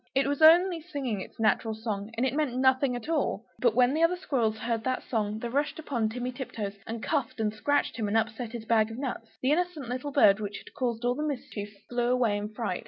It was only singing its natural song, and it meant nothing at all. But when the other squirrels heard that song, they rushed upon Timmy Tiptoes and cuffed and scratched him, and upset his bag of nuts. The innocent little bird which had caused all the mischief, flew away in a fright!